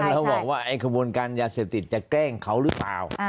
แล้วบอกว่าไอ้ขบวนการยาเสพติดจะแกล้งเขาหรือเปล่า